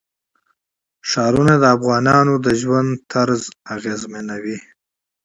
ښارونه د افغانانو د ژوند طرز اغېزمنوي.